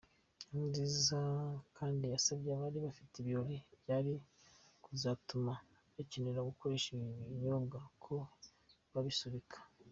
Nkurunziza kandi yasabye abari bafite ibirori byari kuzatuma bakenera gukoresha ibi binyobwa, ko babisubika.